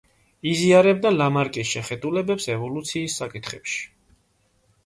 იზიარებდა ლამარკის შეხედულებებს ევოლუციის საკითხებში.